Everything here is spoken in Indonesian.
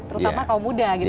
terutama kaum muda gitu